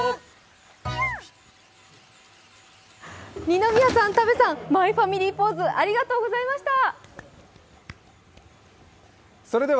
二宮さん、多部さん、「マイファミリー」ポーズありがとうございました。